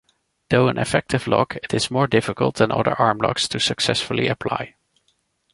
Though an effective lock, it is more difficult than other armlocks to successfully apply.